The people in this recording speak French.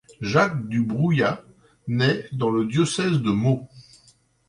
Jacques du Broullat nait dans le diocèse de Meaux.